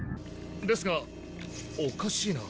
ですがおかしいな。